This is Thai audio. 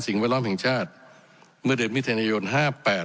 แวดล้อมแห่งชาติเมื่อเดือนมิถุนายนห้าแปด